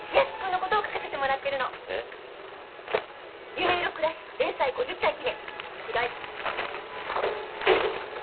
「夢色☆クラシック」連載５０回記念特大ピンナップ付き！